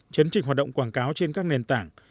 chấn trình hoạt động quảng cáo trên các nền tảng